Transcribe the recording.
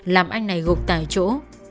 làm anh này gục tại chỗ